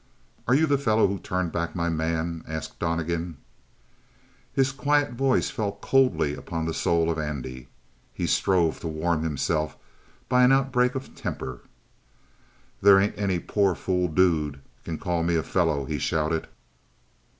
"Are you the fellow who turned back my man?" asked Donnegan. His quiet voice fell coldly upon the soul of Andy. He strove to warm himself by an outbreak of temper. "They ain't any poor fool dude can call me a fellow!" he shouted.